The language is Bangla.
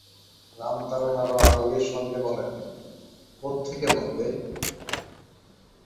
রামতারণ আরও আবেগের সঙ্গে বলেন, কোথেকে বলবে?